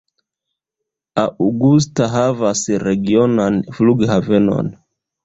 Augusta havas regionan flughavenon.